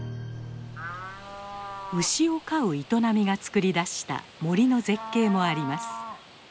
牛を飼う営みがつくり出した森の絶景もあります。